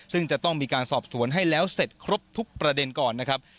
ซึ่งจะต้องมีการสอบสวนให้แล้วเสร็จครบทุกประเด็นก่อนนะครับ